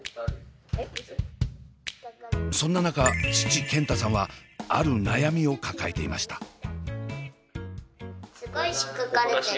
そんな中父健太さんはある悩みを抱えていました。